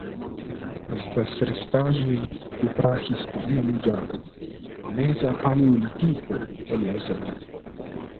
Estas restaĵoj de prahistoria loĝado (Meza Paleolitiko) en la zono.